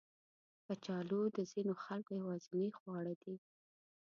کچالو د ځینو خلکو یوازینی خواړه دي